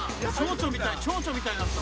チョウチョみたいだった。